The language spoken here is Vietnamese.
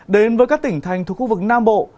đến với các tỉnh thành thuộc khu vực nam bộ